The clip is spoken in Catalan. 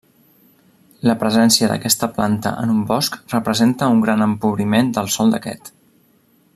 La presència d'aquesta planta en un bosc representa un gran empobriment del sòl d'aquest.